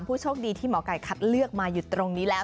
ผู้โชคดีที่หมอไก่คัดเลือกมาอยู่ตรงนี้แล้ว